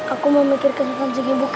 aku memikirkan tentang si ibu kak